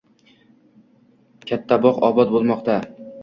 Kattabog‘ obod bo‘lmoqdang